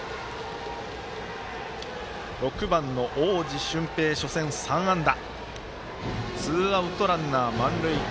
６番の大路隼平初戦、３安打。